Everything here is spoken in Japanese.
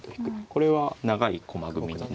これは長い駒組みになります。